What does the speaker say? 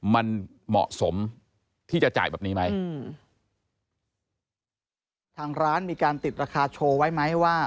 มันเหมาะสมที่จะจ่ายแบบนี้ไหม